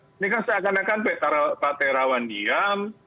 ini kan seakan akan pak terawan diam